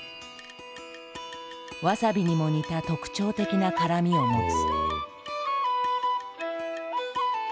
わさびにも似た特徴的な辛みを持つ。